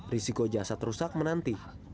risiko jasad rusak menanti